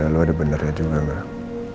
ya lu ada benernya juga gak